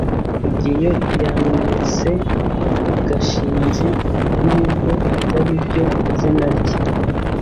rugeyo yamwise gashinzi nubwo atariryo zina rye